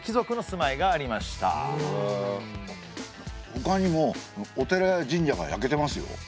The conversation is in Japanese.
ほかにもお寺や神社が焼けてますよ。